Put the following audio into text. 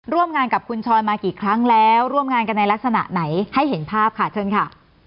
ร่วมงานกับคุณชอยมากี่ครั้งแล้วร่วมงานกันในลักษณะไหนให้เห็นภาพค่ะเชิญค่ะ